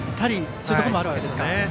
そういうところもあるわけですか。